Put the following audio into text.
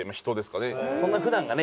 そんな普段がね